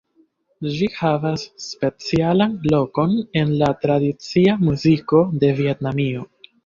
Ĝi havas specialan lokon en la tradicia muziko de Vjetnamio.